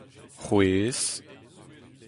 c'hwezh